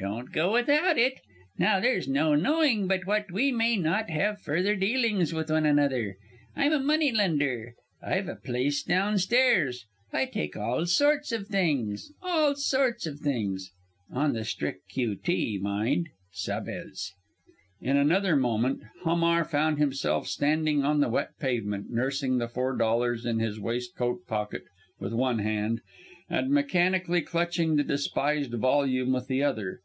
"Don't go without it. Now! there's no knowing but what we may not have further dealings with one another. I'm a money lender I've a place down stairs I take all sorts of things all sorts of things. On the strict Q.T. mind. Sabez!" In another moment Hamar found himself standing on the wet pavement, nursing the four dollars in his waistcoat pocket with one hand, and mechanically clutching the despised volume with the other.